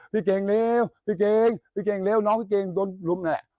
พี่เก่งเร็วพี่เจ๋งพี่เก่งเร็วน้องพี่เก่งโดนลุมนั่นแหละ